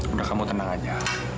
udah kamu tenang aja